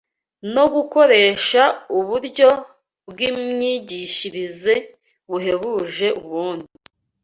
no gukoresha uburyo bw’imyigishirize buhebuje ubundi